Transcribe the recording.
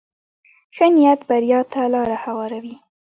ښه نیت بریا ته لاره هواروي.